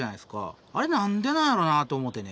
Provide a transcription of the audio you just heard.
あれ何でなんやろなと思てね。